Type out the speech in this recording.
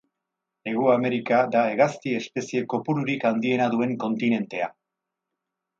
Hego Amerika da hegazti espezie kopururik handiena duen kontinentea.